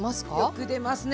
よく出ますね。